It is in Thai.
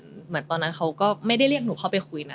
เหมือนตอนนั้นเขาก็ไม่ได้เรียกหนูเข้าไปคุยนะ